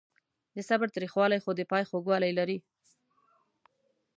د صبر تریخوالی خو د پای خوږوالی لري.